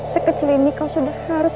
sekecil ini kau sudah harus